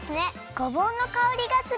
ごぼうのかおりがする！